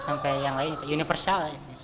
sampai yang lain universal